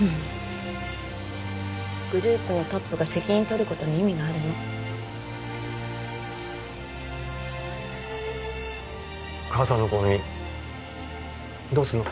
グループのトップが責任とることに意味があるの母さんの後任どうすんの？